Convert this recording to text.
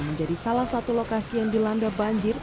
menjadi salah satu lokasi yang dilanda banjir